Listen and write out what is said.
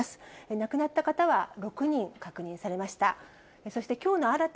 亡くなった方は６人確認されました。